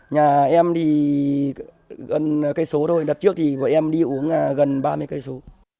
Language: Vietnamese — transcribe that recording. nhà em đi gần cây số thôi đợt trước thì em đi uống gần ba mươi cây số